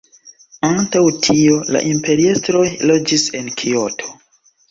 Antaŭ tio la imperiestroj loĝis en Kioto.